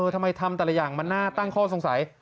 ทำไมทำแต่ละอย่างมันน่าตั้งข้อสงสัย